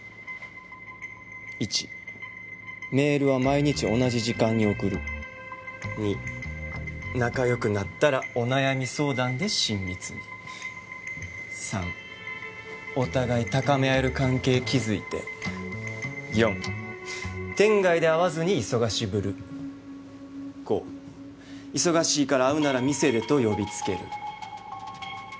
１メールは毎日同じ時間に送る２仲良くなったらお悩み相談で親密に３お互い高め合える関係築いて４店外で会わずに忙しぶる５忙しいから会うなら店でと呼びつける。